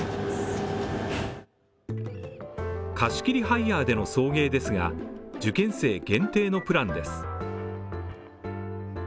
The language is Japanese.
貸切ハイヤーでの送迎ですが、受験生限定のプランです。